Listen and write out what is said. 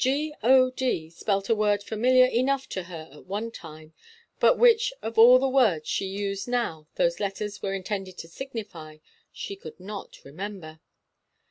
G O D spelt a word familiar enough to her at one time, but which of all the words she used now those letters were intended to signify, she could not remember.